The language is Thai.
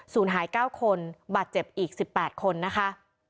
หาย๙คนบาดเจ็บอีก๑๘คนนะคะ